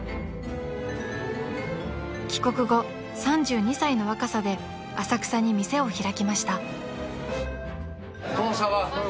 ［帰国後３２歳の若さで浅草に店を開きました］